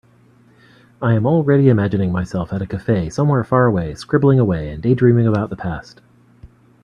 I am already imagining myself at a cafe somewhere far away, scribbling away and daydreaming about the past.